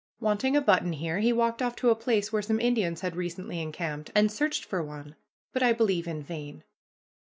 Wanting a button here, he walked off to a place where some Indians had recently encamped, and searched for one, but I believe in vain.